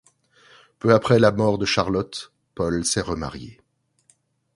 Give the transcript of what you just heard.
Peu après la mort de Charlotte, Paul s'est remarié.